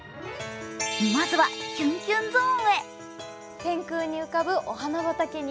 まずはキュンキュンゾーンへ。